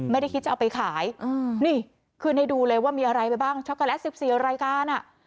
ไม่ได้คิดจะเอาไปขายนี่ขึ้นให้ดูเลยว่ามีอะไรไปบ้างช็อกโกแลต๑๔รายการอ่ะ